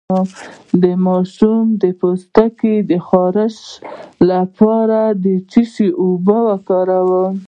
د ماشوم د پوستکي د خارښ لپاره د څه شي اوبه وکاروم؟